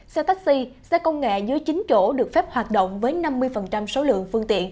xe taxi xe công nghệ dưới chín chỗ được phép hoạt động với năm mươi số lượng phương tiện